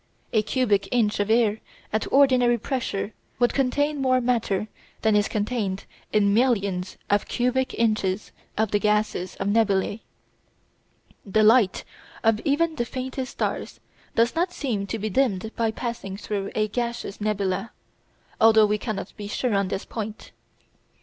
A cubic inch of air at ordinary pressure would contain more matter than is contained in millions of cubic inches of the gases of nebulæ. The light of even the faintest stars does not seem to be dimmed by passing through a gaseous nebula, although we cannot be sure on this point.